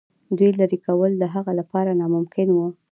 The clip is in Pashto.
دوی لیري کول د هغه لپاره ناممکن وه.